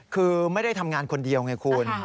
คือไม่ได้ทำงานคนเดียวไงคุณ